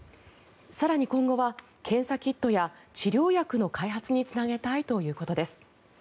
更に、今後は検査キットや治療薬の開発につなげたいということです。